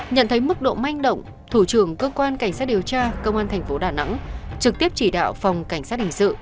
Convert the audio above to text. nhận thấy mức độ manh động thủ trưởng cơ quan cảnh sát điều tra công an thành phố đà nẵng trực tiếp chỉ đạo phòng cảnh sát hình sự